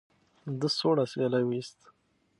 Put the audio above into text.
ده سوړ اسویلی وایست.